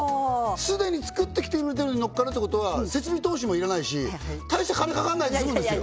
既に作ってきて売れてるのにのっかるってことは設備投資も要らないし大して金かかんないで済むんですよ